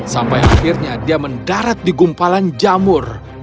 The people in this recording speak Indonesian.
sampai akhirnya dia mendarat di gumpalan jamur